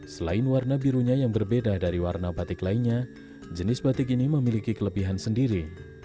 selain warna birunya yang berbeda dari warna batik lainnya jenis batik ini memiliki kelebihan sendiri